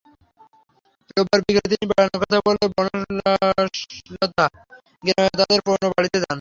রোববার বিকেলে তিনি বেড়ানোর কথা বলে বলসতা গ্রামে তাঁদের পুরোনো বাড়িতে যান।